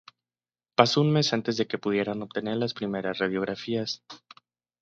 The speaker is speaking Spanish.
Pasó un mes antes de que pudieran obtener las primeras radiografías.